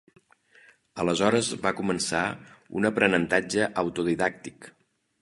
Aleshores va començar un aprenentatge autodidàctic.